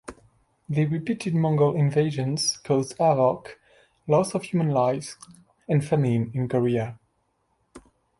The repeated Mongol invasions caused havoc, loss of human lives and famine in Korea.